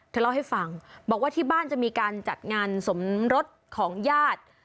เล่าให้ฟังบอกว่าที่บ้านจะมีการจัดงานสมรสของญาติ